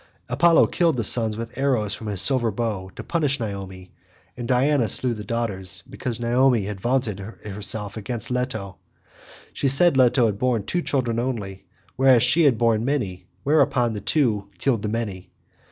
Apollo killed the sons with arrows from his silver bow, to punish Niobe, and Diana slew the daughters, because Niobe had vaunted herself against Leto; she said Leto had borne two children only, whereas she had herself borne many—whereon the two killed the many.